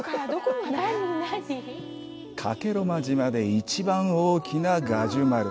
加計呂麻島で一番大きなガジュマル。